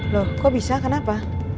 loh kok bisa kenapa